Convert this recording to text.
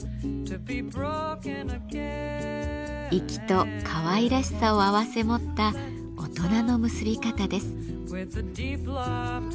粋とかわいらしさを併せ持った大人の結び方です。